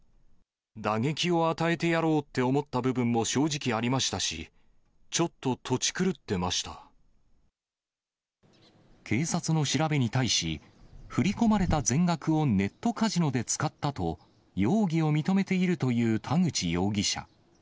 打撃を与えてやろうって思った部分も正直ありましたし、警察の調べに対し、振り込まれた全額をネットカジノで使ったと、容疑を認めているという田口容疑者。